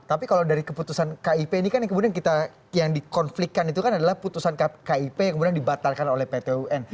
tapi kalau dari keputusan kip ini kan yang kemudian kita yang dikonflikkan itu kan adalah putusan kip yang kemudian dibatalkan oleh pt un